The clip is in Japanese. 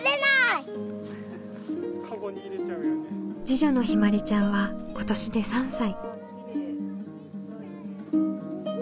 次女のひまりちゃんは今年で３歳。